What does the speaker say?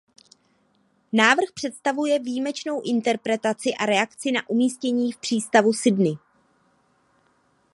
Návrh představuje výjimečnou interpretaci a reakci na umístění v přístavu Sydney.